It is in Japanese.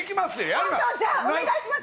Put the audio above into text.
お願いします。